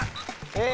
え